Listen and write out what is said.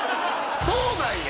そうなんや。